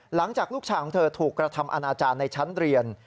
หลังจากลูกชายของเธอถูกกระทำอนาจารย์ในชั้นเรียน